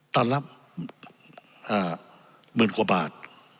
ตอนรับหมื่นกว่าบาท